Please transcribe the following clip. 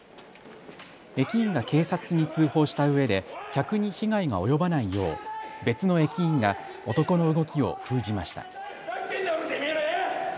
駅員が警察に通報したうえで客に被害が及ばないよう別の駅員が男の動きを封じました。